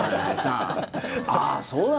ああ、そうだ！